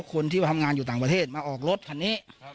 คนที่ทำงานที่ประเทศมาออกรถคันนี้